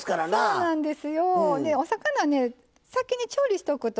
そうなんです。